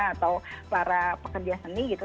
atau para pekerja seni gitu